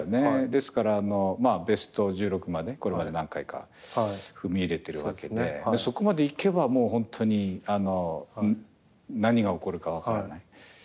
ですからベスト１６までこれまで何回か踏み入れてるわけでそこまで行けばもう本当に何が起こるか分からない。